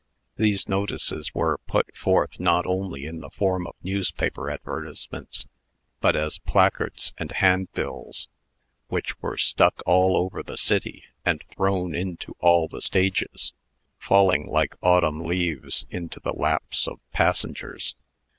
These notices were put forth not only in the form of newspaper advertisements, but as placards and handbills, which were stuck all over the city, and thrown into all the stages, falling like autumn leaves into the laps of passengers.